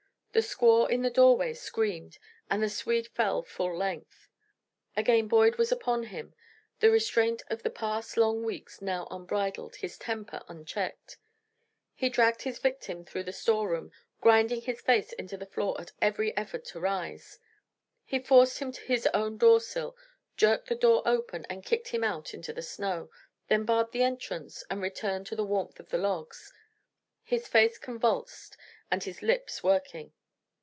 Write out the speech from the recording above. The squaw in the doorway screamed, and the Swede fell full length. Again Boyd was upon him, the restraint of the past long weeks now unbridled, his temper unchecked. He dragged his victim through the store room, grinding his face into the floor at every effort to rise. He forced him to his own door sill, jerked the door open, and kicked him out into the snow; then barred the entrance, and returned to the warmth of the logs, his face convulsed and his lips working.